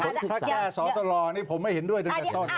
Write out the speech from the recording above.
ถ้าแก้สอสลนี่ผมไม่เห็นด้วยตั้งแต่ต้น